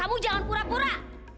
kamu jangan pura pura